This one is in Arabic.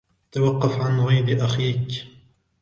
توقف عن غيظ أخيك!